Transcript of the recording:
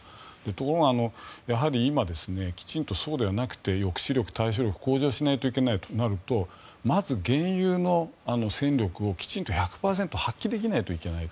ところが、やはり今きちんとそうではなくて抑止力、対処力を向上しないといけないとなるとまず現有の戦力をきちんと１００％発揮できないといけない。